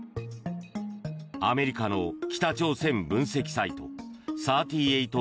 アメリカの北朝鮮分析サイト３８